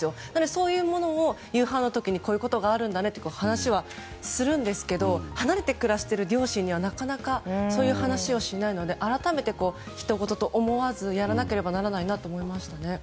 そういうものを夕飯の時にこういうことがあるんだねって話はするんですけど離れて暮らしている両親にはなかなかそういう話をしないので改めて、ひとごとと思わずやらなければならないなと思いましたね。